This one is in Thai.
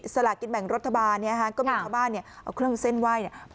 สลากินแบ่งรัฐบาลเนี่ยฮะก็มีชาวบ้านเนี่ยเอาเครื่องเส้นไหว้เนี่ย